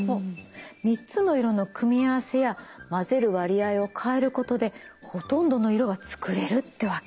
３つの色の組み合わせや混ぜる割合を変えることでほとんどの色が作れるってわけ。